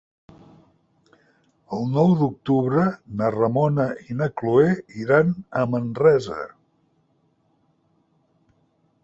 El nou d'octubre na Ramona i na Cloè iran a Manresa.